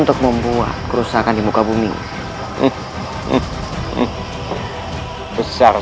ya allah semoga kakinya tidak ada apa apa